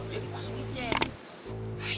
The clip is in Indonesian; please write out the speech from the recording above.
jadi pas dicek